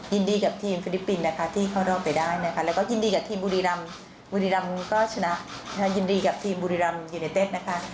ยินดีกับทีมฟิลิปปินส์นะคะที่เข้ารอบไปได้นะคะแล้วก็ยินดีกับทีมบุรีรำบุรีรำก็ชนะยินดีกับทีมบุรีรำยูเนเต็ดนะคะ